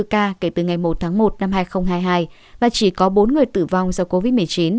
một mươi ba một trăm sáu mươi bốn ca kể từ ngày một tháng một năm hai nghìn hai mươi hai và chỉ có bốn người tử vong do covid một mươi chín